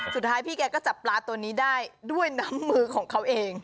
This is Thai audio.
สุดท้ายพี่แกก็จับปลาตัวนี้ได้ด้วยน้ำมือของเขาเอง